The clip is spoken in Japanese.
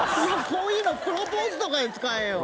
こういうのプロポーズとかに使えよ。